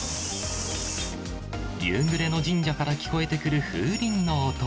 夕暮れの神社から聞こえてくる風鈴の音。